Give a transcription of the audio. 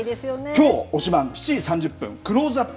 きょう、推しバン！７時３０分、クローズアップ